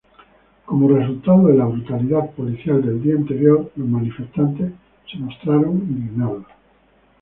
Como resultado de la brutalidad policial del día anterior, los manifestantes se mostraron indignados.